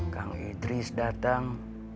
kang idris datang